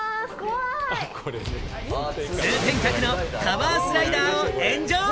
通天閣のタワースライダーをエンジョイ！